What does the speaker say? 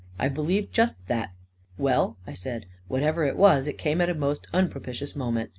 " I believe just thatl" " Well," I said, " whatever it was, it came at a most unpropitious moment.